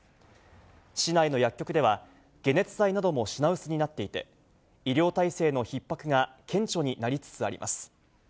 市内の薬局では、解熱剤なども品薄になっていて、医療体制のひっ迫が顕著になりつつあります。